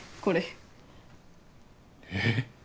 これええっ？